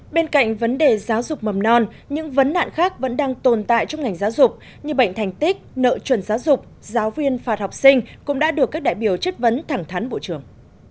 bên cạnh vấn đề giáo dục mầm non những vấn nạn khác vẫn đang tồn tại trong ngành giáo dục như bệnh thành tích nợ chuẩn giáo dục giáo viên phạt học sinh cũng đã được các đại biểu chất vấn thẳng thắn bộ trưởng